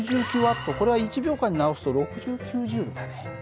これは１秒間に直すと６９Ｊだね。